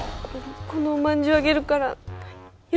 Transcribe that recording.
このおまんじゅうあげるから許して。